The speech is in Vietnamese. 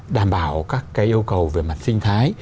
đảm bảo các cái yêu cầu về mặt sinh thái